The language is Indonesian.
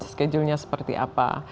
schedule nya seperti apa